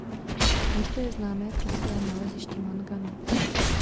Město je známé pro své naleziště manganu.